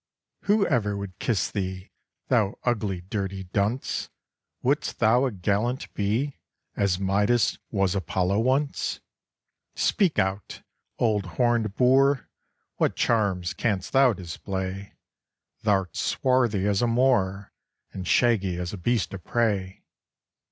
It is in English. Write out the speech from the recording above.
"Who ever would kiss thee, Thou ugly, dirty dunce? Wouldst thou a gallant be, As Midas was Apollo once? "Speak out, old horned boor What charms canst thou display? Thou'rt swarthy as a Moor, And shaggy as a beast of prey.